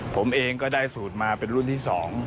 ผมเองก็ได้สูตรมาเป็นรุ่นที่๒